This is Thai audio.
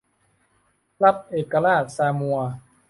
รัฐเอกราชซามัว